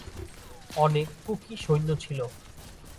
অনেক কুকি সৈন্য ছিল।